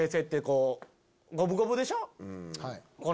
はい。